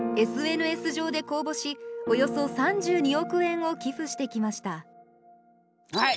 ＳＮＳ上で公募しおよそ３２億円を寄付してきましたはい！